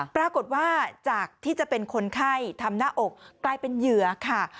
ปรากฏว่าจากที่จะเป็นคนไข้ทำหน้าอกกลายเป็นเหยื่อค่ะ